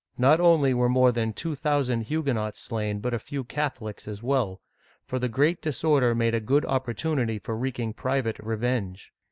Not only were more than two thousand Huguenots slain, but a few Catholics as well ; for the great disorder made a good opportunity for wreaking private revenge.